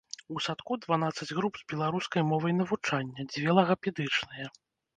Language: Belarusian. У садку дванаццаць груп з беларускай мовай навучання, дзве лагапедычныя.